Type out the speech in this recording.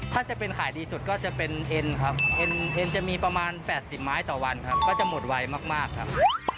ถ้าจะเป็นขายดีสุดก็จะเป็นเอ็นครับเอ็นจะมีประมาณ๘๐ไม้ต่อวันครับก็จะหมดไวมากครับ